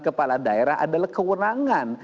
kepala daerah adalah kekurangan